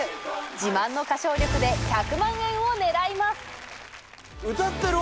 自慢の歌唱力で１００万円を狙います。